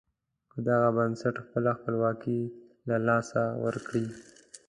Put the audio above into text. که دغه بنسټ خپله خپلواکي له لاسه ورکړي.